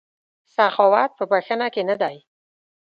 سخاوت په بښنه کې نه دی.